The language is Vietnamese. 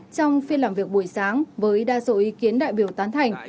trong phiên làm việc buổi sáng với đa số ý kiến đại biểu tán thành